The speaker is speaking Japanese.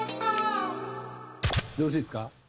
よろしいですか？